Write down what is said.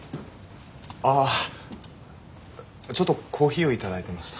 ああちょっとコーヒーを頂いてました。